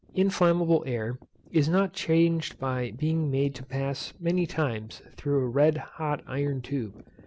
Inflammable air is not changed by being made to pass many times through a red hot iron tube.